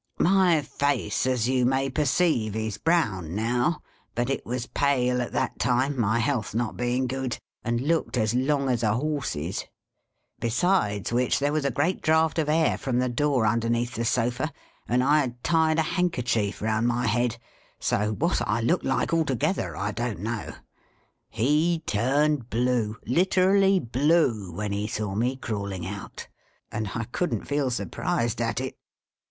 " My face, as you may perceive, is brown now, but it was pale at that time, my health not being good ; and looked as long as a horse's. Besides which, there was a great draught of air from the door, underneath the sofa, and I had tied a handkerchief round my head ; so what I looked like, altogether, I don't know. He turned blue — literally blue — when he saw me crawling out, and I couldn't feel surprised at it.